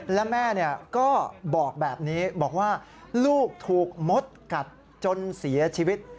และแม่ก็บอกแบบนี้บอกว่าลูกถูกมดกัดจนเสียชีวิต